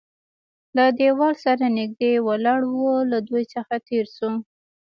له دېوال سره نږدې ولاړ و، له دوی څخه تېر شوو.